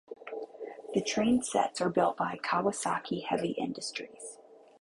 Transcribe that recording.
The train sets are built by Kawasaki Heavy Industries.